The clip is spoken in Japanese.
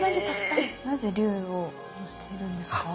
なぜ龍をのせているんですか？